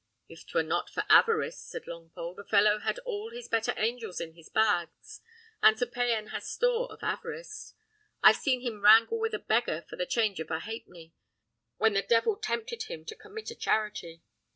"If 'twere not for avarice," said Longpole; "the fellow had all his better angels in his bags, and Sir Payan has store of avarice. I've seen him wrangle with a beggar for the change of a halfpenny, when the devil tempted him to commit a charity.